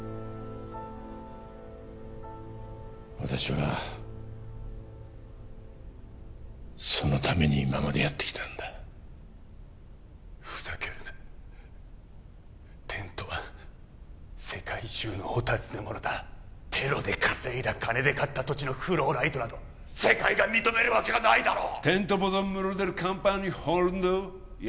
私はそのために今までやってきたんだふざけるなテントは世界中のお尋ね者だテロで稼いだ金で買った土地のフローライトなど世界が認めるわけがないだろう！